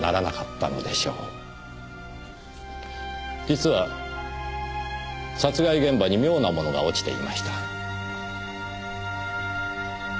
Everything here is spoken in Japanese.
実は殺害現場に妙なものが落ちていました。